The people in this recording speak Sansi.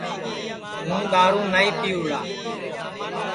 ہُوں دؔارُو نائی پِیوڑا